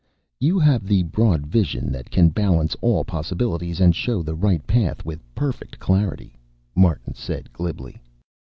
"You have the broad vision that can balance all possibilities and show the right path with perfect clarity," Martin said glibly.